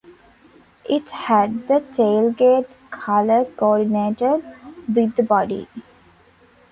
It had the tailgate colour coordinated with the body.